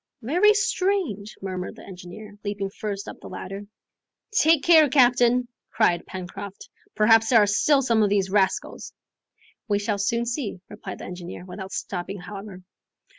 "Very strange!" murmured the engineer, leaping first up the ladder. "Take care, captain!" cried Pencroft, "perhaps there are still some of these rascals. "We shall soon see," replied the engineer, without stopping however.